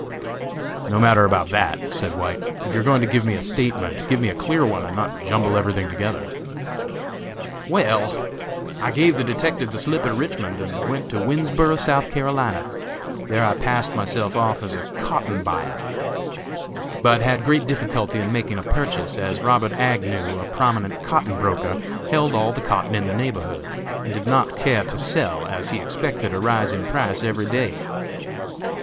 "No matter about that," said White; "if you are going to give me a statement, give me a clear one, and not jumble everything together." "Well, I gave the detective the slip at Richmond, and went to Winnsboro, S. C. There I passed myself off as a cotton buyer, but had great difficulty in making a purchase, as Robert Agnew, a prominent cotton broker, held all the cotton in the neighborhood, and did not care to sell as he expected a rise in price every day.